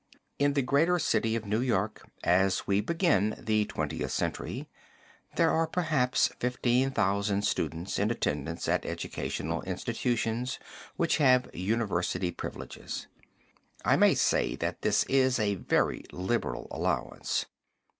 In the greater City of New York as we begin the Twentieth Century there are perhaps fifteen thousand students in attendance at educational institutions which have university privileges. I may say that this is a very liberal allowance.